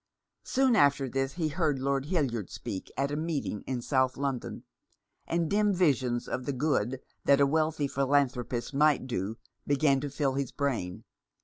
Soon after this he heard Lord Hildyard speak at a meeting in South London ; and dim visions of the good that a wealthy philanthropist might do began to fill his brain.